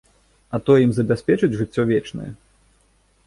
А той ім забяспечыць жыццё вечнае?